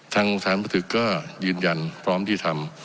ทางทานพันธุ์ศึกษ์ก็ยืนยันพร้อมที่ทำ